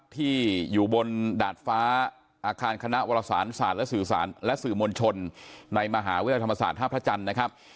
ที่อยู่บนดาดฟ้าอาคารคณะวรสารศาสตร์และสื่อสารและสื่อมวลชนในมหาวิทยาลัยธรรมศาสตร์ท่าพระจันทร์นะครับ